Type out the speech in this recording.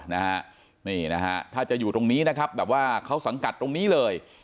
นะฮะนี่นะฮะถ้าจะอยู่ตรงนี้นะครับแบบว่าเขาสังกัดตรงนี้เลย